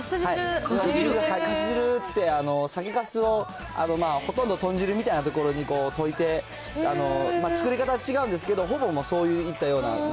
はい、かす汁って、酒かすを、ほとんど豚汁みたいなところにといて、作り方違うんですけど、ほおいしそう。